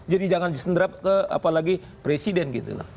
jadi jangan disenderap ke apalagi presiden gitu loh